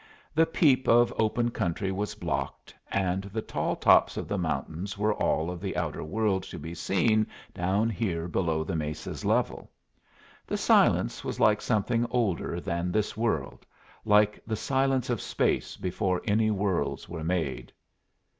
The peep of open country was blocked, and the tall tops of the mountains were all of the outer world to be seen down here below the mesa's level. The silence was like something older than this world, like the silence of space before any worlds were made.